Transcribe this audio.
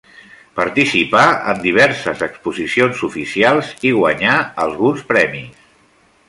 Participà en diverses exposicions oficials i guanyà alguns premis.